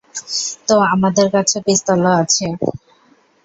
তো, আমাদের কাছে পিস্তলও আছে।